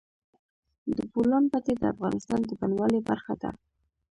د بولان پټي د افغانستان د بڼوالۍ برخه ده.